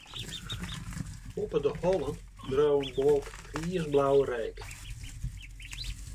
Boppe de hollen dreau in wolk griisblauwe reek.